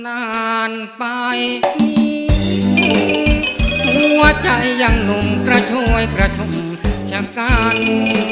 นานไปหัวใจยังหนุ่มกระโชยกระทงชะกัน